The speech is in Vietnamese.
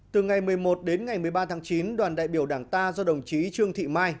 từ ngày một mươi một đến ngày một mươi ba tháng chín đoàn đại biểu đảng ta do đồng chí trương thị mai